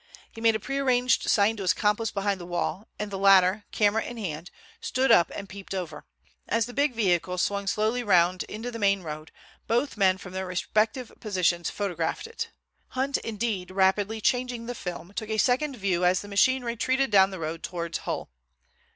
He made a prearranged sign to his accomplice behind the wall, and the latter, camera in hand, stood up and peeped over. As the big vehicle swung slowly round into the main road both men from their respective positions photographed it. Hunt, indeed, rapidly changing the film, took a second view as the machine retreated down the road towards Hull.